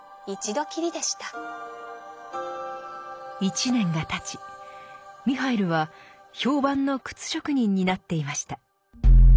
一年がたちミハイルは評判の靴職人になっていました。